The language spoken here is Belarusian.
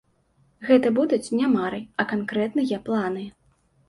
Гэта будуць не мары, а канкрэтныя планы.